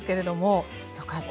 よかった。